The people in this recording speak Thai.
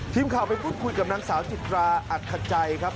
ทีมข่าวไปพูดคุยกับนางสาวจิตราอัดขจัยครับ